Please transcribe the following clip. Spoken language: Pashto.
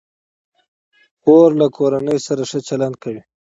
خور له کورنۍ سره ښه چلند کوي.